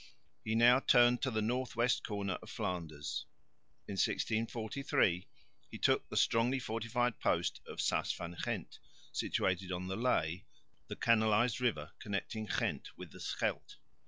He now turned to the north west corner of Flanders. In 1644 he took the strongly fortified post of Sas van Gent, situated on the Ley, the canalised river connecting Ghent with the Scheldt.